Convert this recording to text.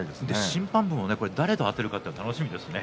審判部も誰にあてるか楽しみですね。